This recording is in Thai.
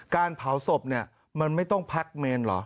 การเผาศพเนี่ยมันไม่ต้องพักเมนเหรอ